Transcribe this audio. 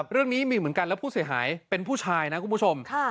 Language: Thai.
เรื่องนี้มีเหมือนกันแล้วผู้เสียหายเป็นผู้ชายนะคุณผู้ชม